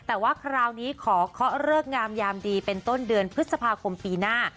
แต่ว่าคราวนี้ขอเคาะเลิกงามยามดีเป็นต้นเดือนพฤษภาคมปีหน้า